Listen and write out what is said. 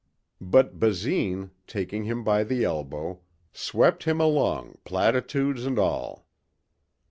But Basine, taking him by the elbow, swept him along, platitudes and all.